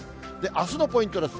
あすのポイントです。